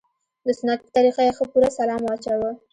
د سنت په طريقه يې ښه پوره سلام واچاوه.